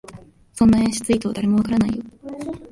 そんな演出意図、誰もわからないよ